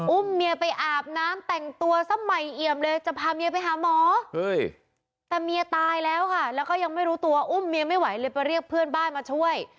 เมียไปอาบน้ำแต่งตัวซะใหม่เอี่ยมเลยจะพาเมียไปหาหมอแต่เมียตายแล้วค่ะแล้วก็ยังไม่รู้ตัวอุ้มเมียไม่ไหวเลยไปเรียกเพื่อนบ้านมาช่วย